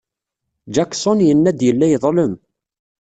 Jackson yenna-d yella yeḍlem.